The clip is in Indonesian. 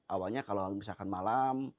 awalnya kalau misalkan malam